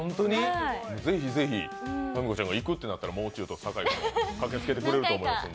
ぜひぜひ、かみこちゃんが行くってなったらもう中と酒井君駆けつけてくれるかもしれない。